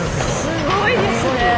すごいですね。